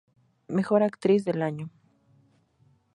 Mejor actriz del año